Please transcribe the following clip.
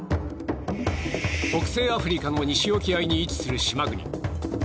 北西アフリカの西沖合に位置する島国。